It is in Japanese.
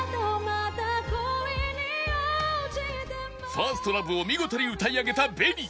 『ＦｉｒｓｔＬｏｖｅ』を見事に歌い上げた ＢＥＮＩ